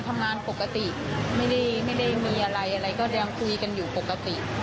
ไม่ได้มีอะไรอะไรก็ด้านคุยกันอยู่ปกติ